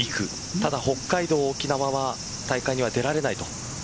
ただ、北海道や沖縄の大会には出られないと。